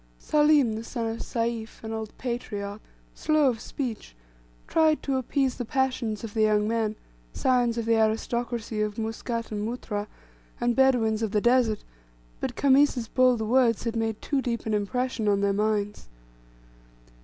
Salim, the son of Sayf, an old patriarch, slow of speech, tried to appease the passions of the young men, scions of the aristocracy of Muscat and Muttrah, and Bedaweens of the Desert, but Khamis's bold words had made too deep an impression on their minds.